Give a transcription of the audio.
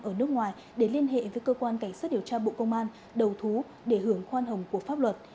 ở nước ngoài để liên hệ với cơ quan cảnh sát điều tra bộ công an đầu thú để hưởng khoan hồng của pháp luật